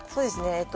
えっと